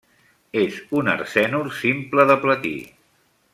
És un arsenur simple de platí.